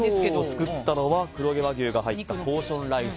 作ったのは、黒毛和牛が入ったポーションライス。